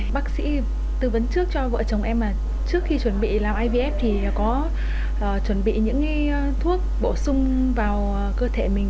bác sĩ tư vấn trước cho vợ chồng em là trước khi chuẩn bị làm ivf thì có chuẩn bị những thuốc bổ sung vào cơ thể mình